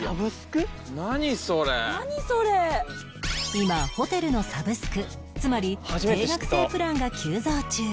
今ホテルのサブスクつまり定額制プランが急増中